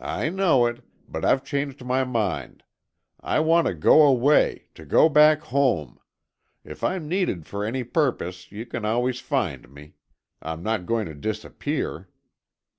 "I know it. But I've changed my mind. I want to go away, to go back home. If I'm needed for any purpose, you can always find me. I'm not going to disappear."